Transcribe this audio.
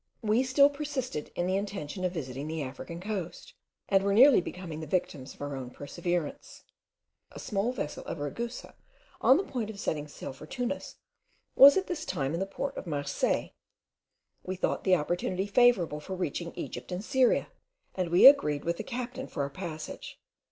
We still persisted in the intention of visiting the African coast, and were nearly becoming the victims of our perseverance. A small vessel of Ragusa, on the point of setting sail for Tunis, was at that time in the port of Marseilles; we thought the opportunity favourable for reaching Egypt and Syria, and we agreed with the captain for our passage.